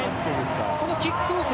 このキックオフ。